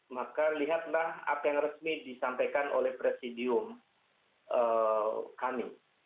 maka lihatlah apa yang resmi disampaikan oleh presidium kami